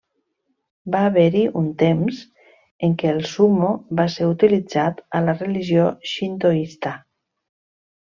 Va haver-hi un temps en què el sumo va ser utilitzat a la religió xintoista.